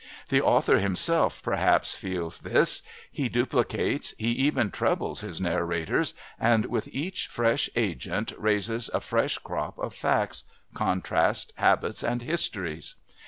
The author himself perhaps feels this; he duplicates, he even trebles his narrators and with each fresh agent raises a fresh crop of facts, contrasts, habits and histories.